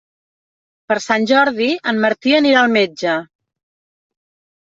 Per Sant Jordi en Martí anirà al metge.